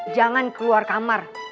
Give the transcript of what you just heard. jangan keluar kamar